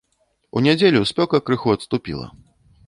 У нядзелю спёка крыху адступіла.